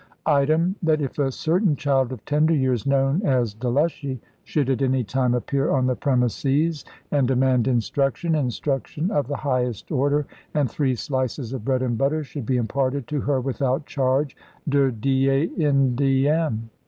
Item, that if a certain child of tender years known as 'Delushy,' should at any time appear on the premises and demand instruction, instruction of the highest order, and three slices of bread and butter, should be imparted to her without charge, de die in diem."